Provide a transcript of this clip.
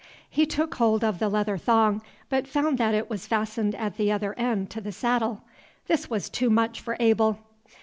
He took hold of the leather thong, but found that it was fastened at the other end to the saddle. This was too much for Abel.